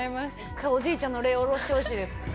一回おじいちゃんの霊降ろしてほしいです。